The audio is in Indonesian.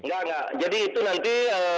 enggak enggak jadi itu nanti